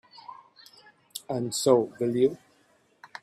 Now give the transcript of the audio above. And so will you.